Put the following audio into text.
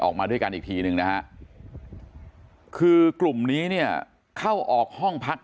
ออกมาด้วยกันอีกทีนึงนะฮะคือกลุ่มนี้เนี่ยเข้าออกห้องพัก